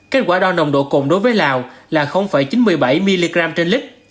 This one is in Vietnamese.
kết quả đo nồng độ cồn đối với lào là chín mươi bảy mg trên lít